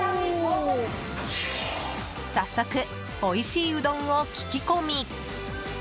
早速、おいしいうどんを聞き込み！